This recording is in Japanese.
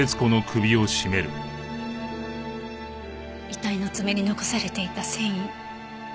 遺体の爪に残されていた繊維。